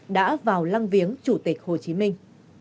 đã vào lăng viếng chủ tịch hồ chí minh